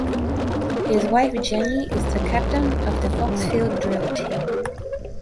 His wife Jenny is the captain of the Foxfield Drill team.